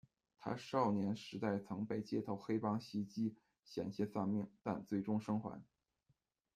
他少年时代曾被街头黑帮袭击，险些丧命，但最终生还。